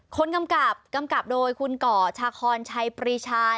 กำกับกำกับโดยคุณก่อชาคอนชัยปรีชาย